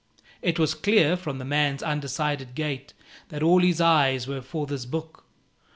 It was clear, from the man's undecided gait, that all his eyes were for this book.